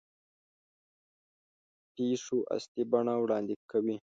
پېښو اصلي بڼه وړاندې کوي.